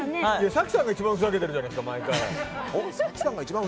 早紀さんが一番ふざけてるじゃないですか。